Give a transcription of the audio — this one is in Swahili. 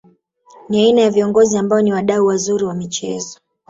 Ni aina ya viongozi ambao ni wadau wazuri wa michezo